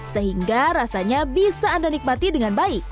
sehingga rasanya bisa anda nikmati dengan baik